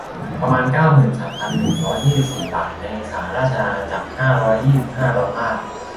ประมาณ เก้าหมื่นสามพันหนึ่งร้อยยี่สิบสี่ บาท ในสหราชอาณาจักร ห้าร้อยยี่สิบห้า ดอลลาร์